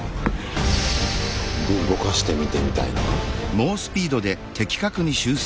で動かしてみてみたいな？